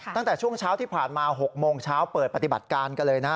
ตั้งแต่ช่วงเช้าที่ผ่านมา๖โมงเช้าเปิดปฏิบัติการกันเลยนะฮะ